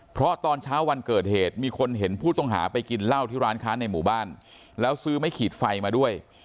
เพราะตอนเช้าวันเกิดเหตุมีคนเห็นผู้ต้องหาไปกินเหล้าที่ร้านค้าในหมู่บ้านแล้วซื้อไม้ขีดไฟมาด้วย